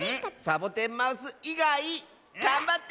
サボテンマウスいがいがんばって！